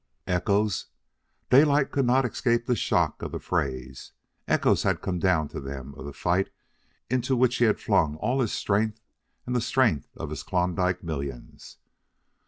Echoes! Daylight could not escape the shock of the phrase echoes had come down to them of the fight into which he had flung all his strength and the strength of his Klondike millions.